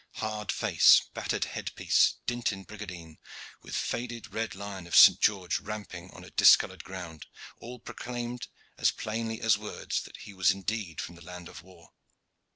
Hard face, battered head piece, dinted brigandine, with faded red lion of St. George ramping on a discolored ground, all proclaimed as plainly as words that he was indeed from the land of war.